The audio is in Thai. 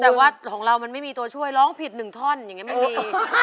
แต่ว่าของเรามันไม่มีตัวช่วยร้องผิด๑ท่อนอย่างนี้ไม่มี